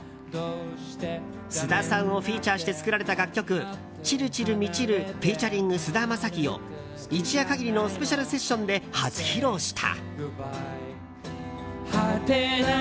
菅田さんをフィーチャーして作られた楽曲「散る散る満ちるｆｅａｔ．菅田将暉」を一夜限りのスペシャルセッションで初披露した。